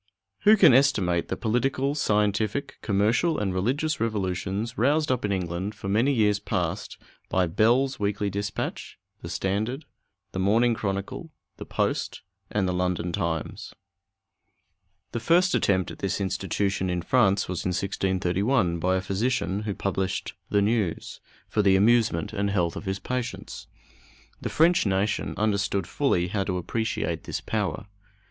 Who can estimate the political, scientific, commercial, and religious revolutions roused up in England for many years past by Bell's Weekly Dispatch, the Standard, the Morning Chronicle, the Post, and the London Times? The first attempt at this institution in France was in 1631, by a physician, who published the News, for the amusement and health of his patients. The French nation understood fully how to appreciate this power.